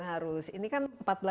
harus ini kan empat belas